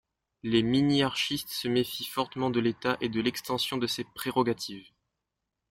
Les minarchistes se méfient fortement de l'État et de l'extension de ses prérogatives.